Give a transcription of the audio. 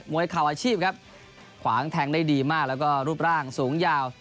วยเข่าอาชีพครับขวางแทงได้ดีมากแล้วก็รูปร่างสูงยาว